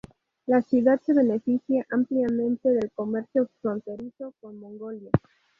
La ciudad se beneficia ampliamente del comercio fronterizo con Mongolia.